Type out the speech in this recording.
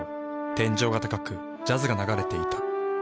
天井が高くジャズが流れていた。